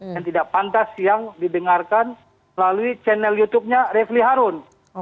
yang tidak pantas yang didengarkan melalui channel youtubenya refli harun